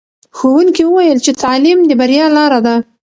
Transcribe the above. ښوونکي وویل چې تعلیم د بریا لاره ده.